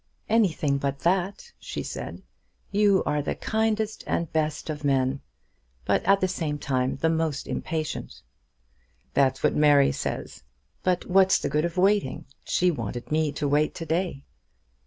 "Anything but that," she said. "You are the kindest and the best of men; but at the same time the most impatient." "That's what Mary says; but what's the good of waiting? She wanted me to wait to day."